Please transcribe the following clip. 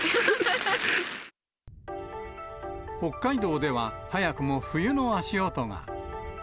北海道では、早くも冬の足音が。